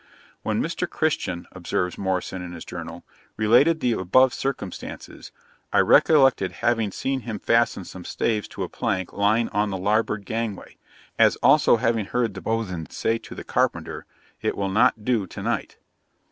'When Mr. Christian,' observes Morrison in his Journal, 'related the above circumstances, I recollected having seen him fasten some staves to a plank lying on the larboard gangway, as also having heard the boatswain say to the carpenter, "it will not do to night."